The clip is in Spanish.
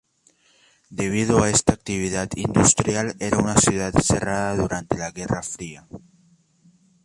Debido a esta actividad industrial era una ciudad cerrada durante la Guerra Fría.